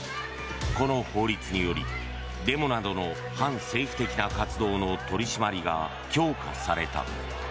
この法律により、デモなどの反政府的な活動の取り締まりが強化された。